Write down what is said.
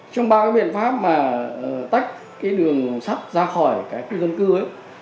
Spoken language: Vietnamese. trong bao cái biện pháp mà tách cái đường sắp ra khỏi cái cư dân cư ấy